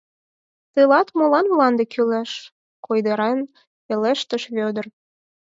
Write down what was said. — Тылат молан мланде кӱлеш? — койдарен пелештыш Вӧдыр.